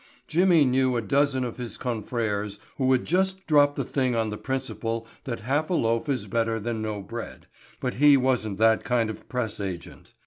Jimmy knew a dozen of his confreres who would just drop the thing on the principle that half a loaf is better than no bread, but he wasn't that kind of press agent.